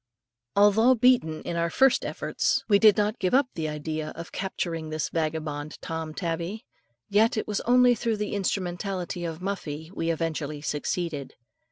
Although beaten in our first efforts, we did not give up the idea of capturing this vagabond Tom tabby, yet it was only through the instrumentality of Muffie, we eventually succeeded.